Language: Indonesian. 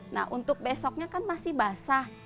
nah untuk besoknya kan masih basah